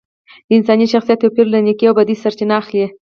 د انساني شخصیت توپیر له نیکۍ او بدۍ سرچینه اخلي